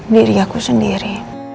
diri aku sendiri